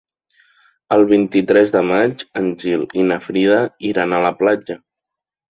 El vint-i-tres de maig en Gil i na Frida iran a la platja.